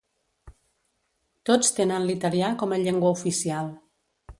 Tots tenen l'italià com a llengua oficial.